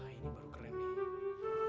wah ini baru keren nih